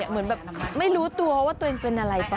เหมือนแบบไม่รู้ตัวว่าตัวเองเป็นอะไรป่